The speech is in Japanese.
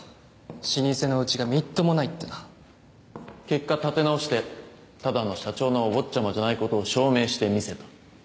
老舗のうちがみっともないってな結果立て直してただの社長のお坊っちゃまじゃないことを証明してみせた